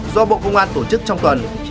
do bộ công an tổ chức trong tuần